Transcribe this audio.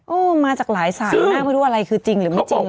อื้อมาจากหลายสายน่าจะไม่รู้อะไรคือจริงหรือไม่จริงเลย